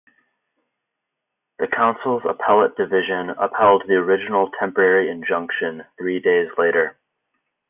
The Council's appellate division upheld the original Temporary Injunction three days later.